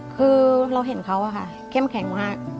คือเราเห็นเขาอะค่ะเข้มแข็งมาก